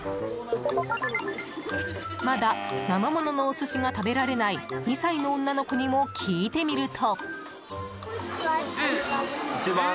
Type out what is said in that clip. まだ、生もののお寿司が食べられない２歳の女の子にも聞いてみると。